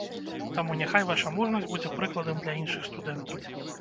Таму няхай ваша мужнасць будзе прыкладам для іншых студэнтаў.